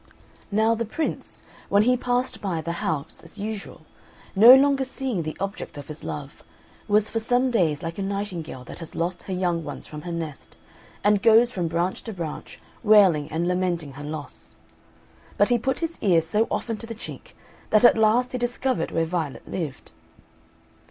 Now the Prince, when he passed by the house as usual, no longer seeing the object of his love, was for some days like a nightingale that has lost her young ones from her nest, and goes from branch to branch wailing and lamenting her loss; but he put his ear so often to the chink that at last he discovered where Violet lived.